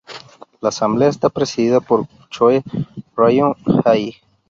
La asamblea está presidida por Choe Ryong-hae.